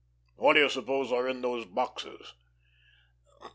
What do you suppose are in these boxes?"